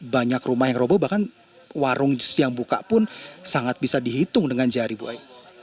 banyak rumah yang robo bahkan warung jus yang buka pun sangat bisa dihitung dengan jari bu eye